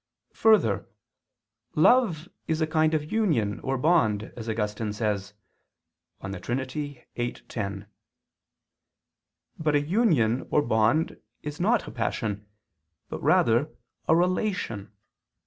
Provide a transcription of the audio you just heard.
2: Further, love is a kind of union or bond, as Augustine says (De Trin. viii, 10). But a union or bond is not a passion, but rather a relation.